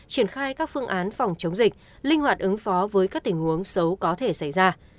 triển khai các phương án phòng chống dịch linh hoạt ứng phó với các tình huống xấu có thể xảy ra